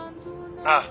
ああ